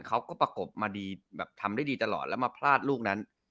เขาก็ประกบมาดีแบบทำได้ดีตลอดแล้วมาพลาดลูกนั้น